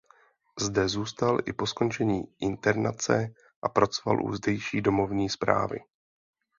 Zde zůstal i po skončení internace a pracoval u zdejší Domovní správy.